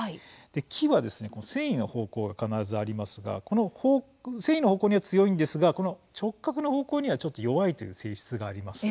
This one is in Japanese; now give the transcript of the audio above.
木は繊維の方向が必ずありますがこの繊維の方向には強いんですがこの直角の方向には、ちょっと弱いという性質があります。